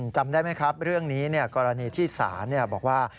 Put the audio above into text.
จำได้ไหมครับเรื่องนี้กรณีที่ศาลบอกว่า